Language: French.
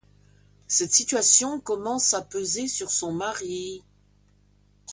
Cette situation commence à peser sur son mari...